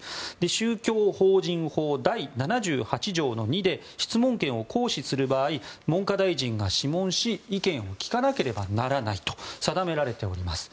宗教法人法第７８条の２で質問権を行使する場合文科大臣が諮問し意見を聞かなければならないと定められております。